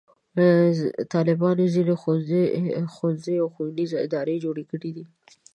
طالبانو ځینې ښوونځي او ښوونیزې ادارې جوړې کړې دي.